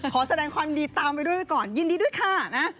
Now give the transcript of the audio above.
ขอแสดงความดีตามไปด้วยไว้ก่อนยินดีด้วยค่ะนะ